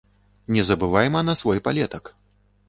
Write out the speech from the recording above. Не забывайма на свой палетак.